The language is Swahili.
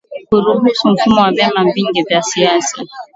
kuruhusu mfumo wa vyama vingi vya siasa